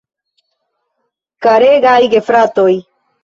Karegaj gefrafoj!